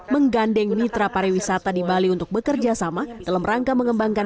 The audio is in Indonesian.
menggandeng mitra pariwisata di bali untuk bekerjasama dalam rangka mengembangkan